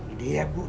ini dia bu